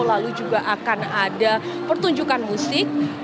lalu juga akan ada pertunjukan musik